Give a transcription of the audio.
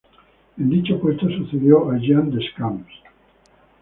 En dicho puesto sucedió a Jean Deschamps.